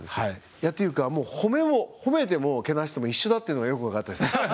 いやっていうかもう褒めも褒めてもけなしても一緒だっていうのがよくわかったですね。